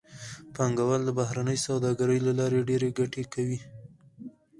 پانګوال د بهرنۍ سوداګرۍ له لارې ډېره ګټه کوي